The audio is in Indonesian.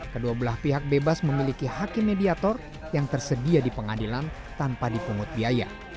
kedua belah pihak bebas memiliki hakim mediator yang tersedia di pengadilan tanpa dipungut biaya